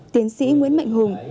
chiến sĩ nguyễn mạnh hùng